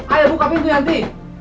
ayo buka pintu yanti